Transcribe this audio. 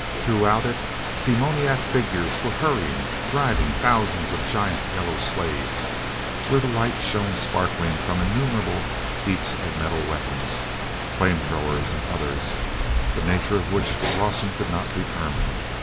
Throughout it, demoniac figures were hurrying, driving thousands of giant yellow slaves where the light shone sparkling from innumerable heaps of metal weapons—flame throwers and others, the nature of which Rawson could not determine.